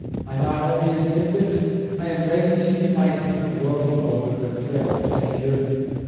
I not only admit this, I am ready to unite in groaning over the threatened danger.